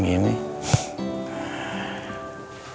tuh gemes kamu